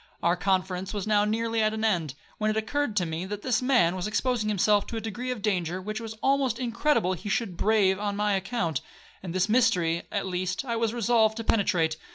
Our conference was now nearly at an end, when it occurred to me that this man was exposing himself to a degree of danger which it was almost incredible he should brave on my account; and this mystery, at least, I was resolved to penetrate.